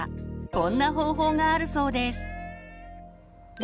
こんな方法があるそうです。